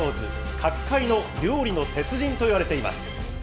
角界の料理の鉄人といわれています。